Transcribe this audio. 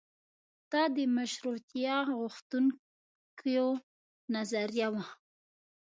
دا د مشروطیه غوښتونکیو نظریه وه.